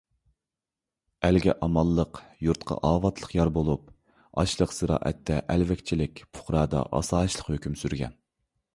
ئەلگە ئامانلىق، يۇرتقا ئاۋاتلىق يار بولۇپ، ئاشلىق - زىرائەتتە ئەلۋەكچىلىك، پۇقرادا ئاسايىشلىق ھۆكۈم سۈرگەن.